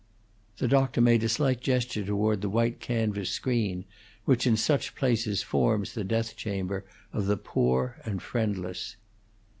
The doctor made a slight gesture toward the white canvas screen which in such places forms the death chamber of the poor and friendless.